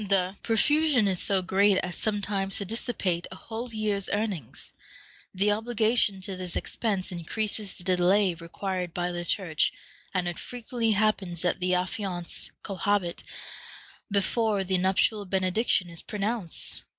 The profusion is so great as sometimes to dissipate a whole year's earnings. The obligation to this expense increases the delay required by the Church, and it frequently happens that the affianced cohabit before the nuptial benediction is pronounced.